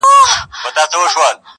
نيمه خوږه نيمه ترخه وه ښه دى تېره سوله,